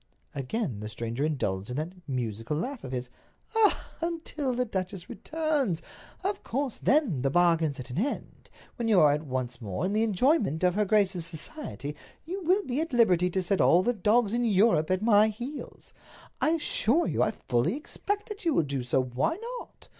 Again the stranger indulged in that musical laugh of his. "Ah, until the duchess returns! Of course, then the bargain's at an end. When you are once more in the enjoyment of her grace's society, you will be at liberty to set all the dogs in Europe at my heels. I assure you I fully expect that you will do so—why not?"